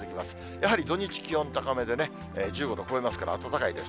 やはり土日、気温高めでね、１５度超えますから、暖かいです。